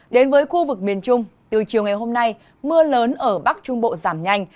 đến với khu vực miền trung từ chiều ngày hôm nay mưa lớn ở bắc trung bộ giảm nhanh